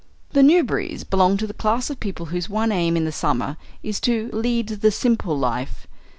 The Newberrys belonged to the class of people whose one aim in the summer is to lead the simple life.